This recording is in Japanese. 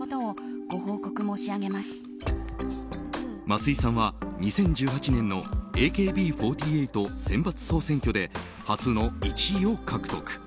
松井さんは２０１８年のＡＫＢ４８選抜総選挙で初の１位を獲得。